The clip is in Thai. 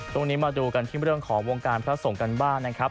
ตรงนี้มาดูกันที่เรื่องของวงการพระสงฆ์กันบ้างนะครับ